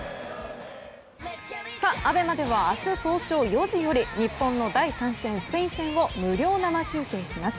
ＡＢＥＭＡでは明日早朝４時より日本の第３戦スペイン戦を無料生中継します。